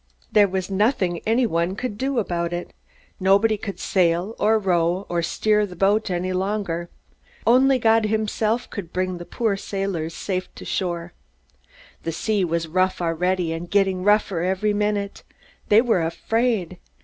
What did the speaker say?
There was nothing anyone could do about it. Nobody could sail or row or steer the boat any longer. Only God himself could bring the poor sailors safe to shore. The sea was rough already, and getting rougher every minute. They were afraid.